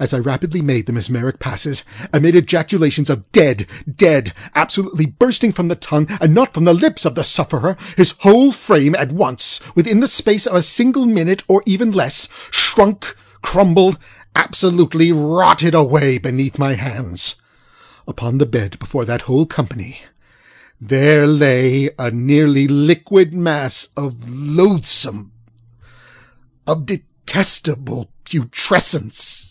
As I rapidly made the mesmeric passes, amid ejaculations of ŌĆ£dead! dead! ŌĆØ absolutely bursting from the tongue and not from the lips of the sufferer, his whole frame at onceŌĆöwithin the space of a single minute, or even less, shrunkŌĆöcrumbledŌĆöabsolutely rotted away beneath my hands. Upon the bed, before that whole company, there lay a nearly liquid mass of loathsomeŌĆöof detestable putrescence.